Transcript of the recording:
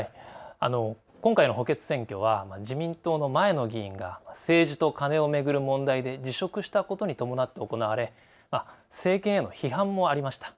今回の補欠選挙は自民党の前の議員が政治とカネを巡る問題で辞職したことに伴って行われ政権への批判もありました。